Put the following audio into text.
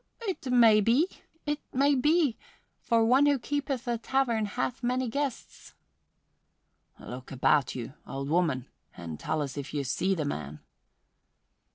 "It may be it may be for one who keepeth a tavern hath many guests." "Look about you, old woman, and tell us if you see the man."